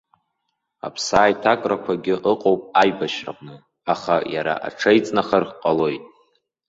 Аԥсааиҭакрақәагьы ыҟоуп аибашьраҟны, аха иара аҽеиҵнахыр ҟалоит.